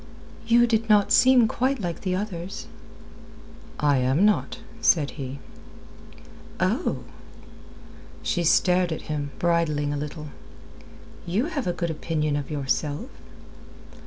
"You did not seem quite like the others." "I am not," said he. "Oh!" She stared at him, bridling a little. "You have a good opinion of yourself."